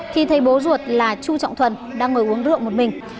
thì thấy bố ruột là chu trọng thuận đang ngồi uống rượu một mình